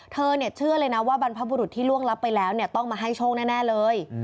เธอเชื่อเลยนะว่าบรรพบุรุษที่ล่วงรับไปแล้วต้องมาให้โชคแน่เลย